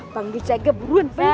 bang jaga buruan beng